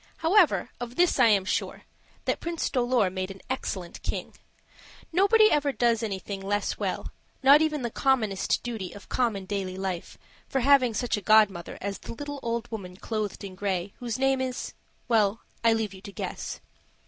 However, of this I am sure, that Prince Dolor made an excellent king. Nobody ever does anything less well, not even the commonest duty of common daily life, for having such a godmother as the little old woman clothed in gray, whose name is well, I leave you to guess.